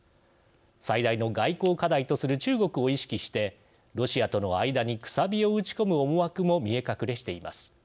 最大の外交課題とする中国を意識してロシアとの間にくさびを打ち込む思わくも見え隠れしています。